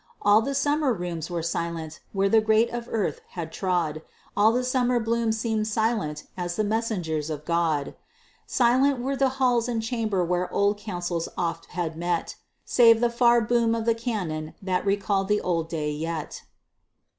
All the summer rooms were silent, where the great of earth had trod, All the summer blooms seemed silent as the messengers of God; Silent were the hall and chamber where old councils oft had met, Save the far boom of the cannon that recalled the old day yet.